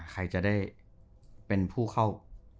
ใครจะได้เป็นผู้เข้า